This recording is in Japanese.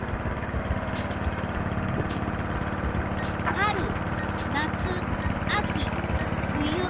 春夏秋冬。